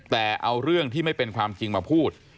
แต่เอาเรื่องที่ไม่เป็นความจริงมาพูด